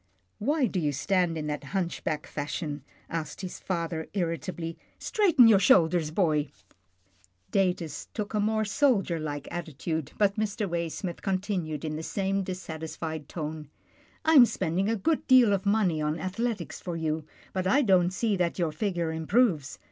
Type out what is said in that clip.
" Why do you stand in that hunchback fashion ?" asked his father irritably. " Straighten your shoul ders, boy." 72 'TILDA JANE'S ORPHANS Datus took a more soldier like attitude, but Mr. Waysmith continued in the same dissatisfied tone. " I am spending a good deal of money on ath letics for you, but I don't see that your figure improves.